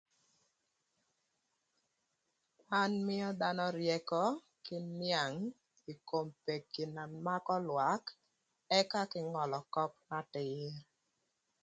Kwan mïö dhanö ryëkö kï nïang ï kom peki na makö lwak ëka kï ngölö köp n'atïr.